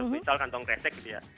misal kantong kresek gitu ya